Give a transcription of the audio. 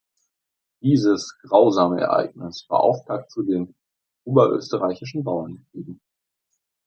Dieses grausame Ereignis war Auftakt zu den Oberösterreichischen Bauernkriegen.